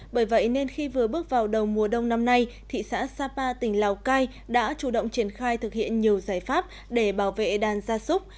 bởi vậy nên khi vừa bước vào đầu mùa đông năm nay thị xã sapa tỉnh lào cai đã chủ động triển khai thực hiện nhiều giải pháp để bảo vệ đàn gia súc